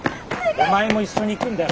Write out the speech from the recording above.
お前も一緒に行くんだよ。